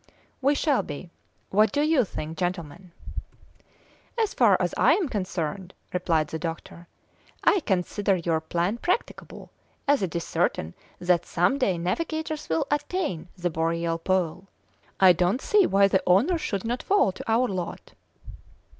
"We shall be. What do you think, gentlemen?" "As far as I am concerned," replied the doctor, "I consider your plan practicable, as it is certain that some day navigators will attain the boreal Pole. I don't see why the honour should not fall to our lot."